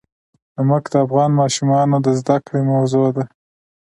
نمک د افغان ماشومانو د زده کړې موضوع ده.